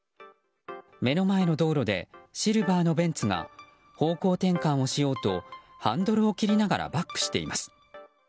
目の前の道路でシルバーのベンツが方向転換をしようとハンドルを切りながらバックしています。